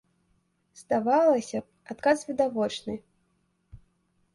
Здавалася б, адказ відавочны.